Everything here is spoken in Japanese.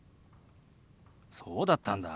そうだったんだ。